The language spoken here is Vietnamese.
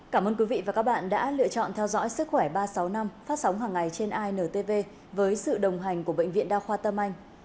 cảm ơn quý vị và các bạn đã lựa chọn theo dõi sức khỏe ba trăm sáu mươi năm phát sóng hàng ngày trên intv với sự đồng hành của bệnh viện đa khoa tâm anh